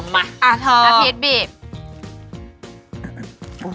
มาอะทอมมาพีทบีบมาอาทอม